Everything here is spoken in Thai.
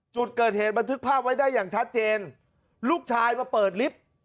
จุดเกิดเหตุบันทึกภาพไว้ได้อย่างชัดเจนลูกชายมาเปิดลิฟต์